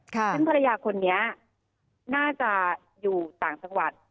ซึ่งภรรยาคนนี้น่าจะอยู่ต่างจังหวัด